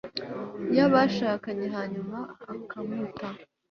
y'abashakanye, hanyuma akamuta